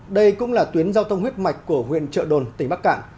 đây cũng là tuyến giao thông huyết mạch của huyện trợ đồn tỉnh bắc cạn